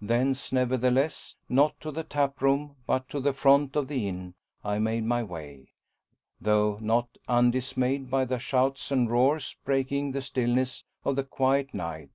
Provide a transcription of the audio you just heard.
Thence, nevertheless not to the taproom, but to the front of the inn I made my way, though not undismayed by the shouts and roars breaking the stillness of the quiet night.